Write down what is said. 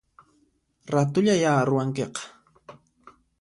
Ratullaya ruwankiqa